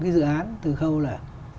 cái dự án từ khâu là